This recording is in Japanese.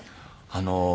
あの。